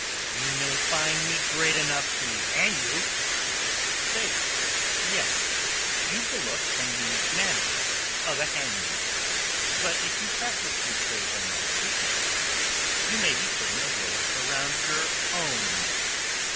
"You may find me great enough to hang you." "Faith, yes. Ye've the look and the manners of a hangman. But if you practise your trade on my patient here, you may be putting a rope round your own neck.